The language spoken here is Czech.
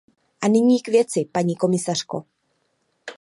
A nyní k věci, paní komisařko.